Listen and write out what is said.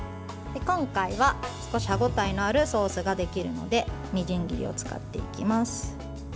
今回は少し歯応えのあるソースができるのでみじん切りを使っていきます。